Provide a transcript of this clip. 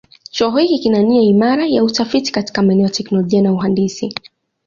Chuo hiki kina nia imara ya utafiti katika maeneo ya teknolojia na uhandisi.